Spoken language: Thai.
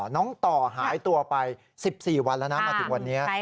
น้องต่อหายตัวไป๑๔วันแล้วนะมาถึงวันนี้